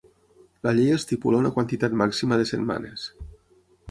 La llei estipula una quantitat màxima de setmanes.